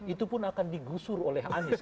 itu pun akan digusur oleh anies